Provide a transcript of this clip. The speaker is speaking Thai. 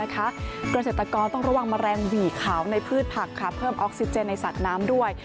เกษตรกรต้องระวังแมลงหวี่ขาวในพืชผักเพิ่มออกซิเจนในสัตว์น้ำด้วย